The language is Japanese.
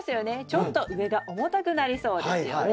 ちょっと上が重たくなりそうですよね。